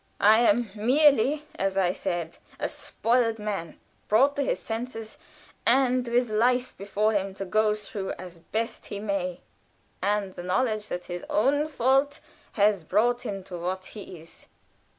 "I am merely, as I said, a spoiled man, brought to his senses and with life before him to go through as best he may, and the knowledge that his own fault has brought him to what he is."